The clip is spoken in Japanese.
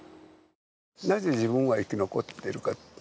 なぜ自分は生き残っているか。